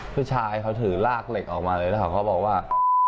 ผู้ชายเขาถือลากเหล็กออกมาเลยแล้วเขาก็บอกว่า